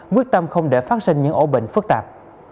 quyết tâm không để phát sinh những ổ bệnh phức tạp